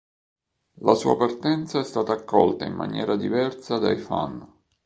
La sua partenza è stata accolta in maniera diversa dai fan.